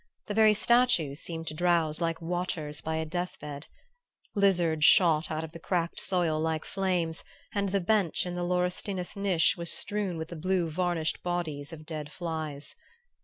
The very statues seemed to drowse like watchers by a death bed. Lizards shot out of the cracked soil like flames and the bench in the laurustinus niche was strewn with the blue varnished bodies of dead flies.